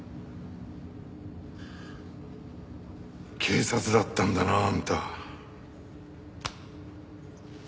警察だったんだなあんた。